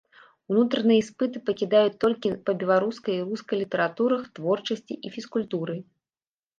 Унутраныя іспыты пакідаюць толькі па беларускай і рускай літаратурах, творчасці і фізкультуры.